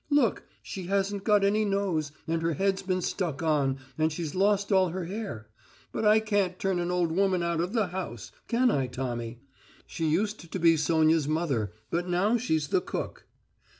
Look, she hasn't got any nose and her head's been stuck on, and she's lost all her hair. But I can't turn an old woman out of the house. Can I, Tommy? She used to be Sonya's mother, but now she's the cook.